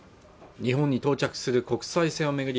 日本に到着する国際線を巡り